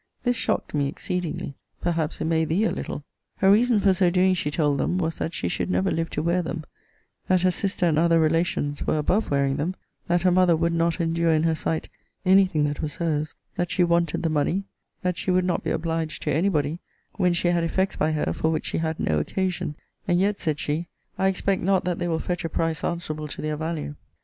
This shocked me exceedingly perhaps it may thee a little!!! Her reason for so doing, she told them, was, that she should never live to wear them: that her sister, and other relations, were above wearing them: that her mother would not endure in her sight any thing that was her's: that she wanted the money: that she would not be obliged to any body, when she had effects by her for which she had no occasion: and yet, said she, I expect not that they will fetch a price answerable to their value.